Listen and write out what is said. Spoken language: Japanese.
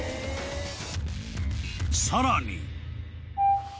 ［さらに］